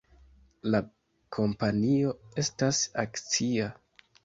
La kompanio estas akcia.